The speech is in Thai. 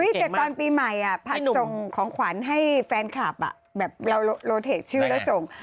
แต่ตอนปีใหม่ผัดส่งของขวัญให้แฟนคลับแบบเราโลเทคชื่อแล้วส่ง